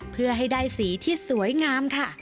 เพื่อให้ได้สีที่สวยงามค่ะ